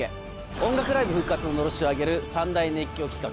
音楽ライブ復活ののろしを上げる３大熱狂企画